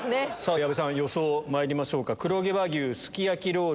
矢部さん予想まいりましょうか。